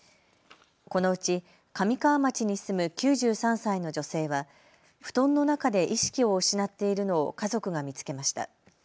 このうち神川町に住む９３歳の女性は布団の中で意識を失っているのを家族が見つけました。